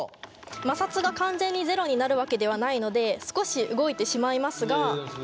摩擦が完全にゼロになるわけではないので少し動いてしまいますが。